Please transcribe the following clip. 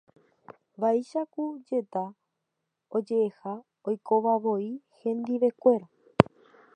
Vaicha ku jéta ojeʼeha oikovavoi hendivekuéra.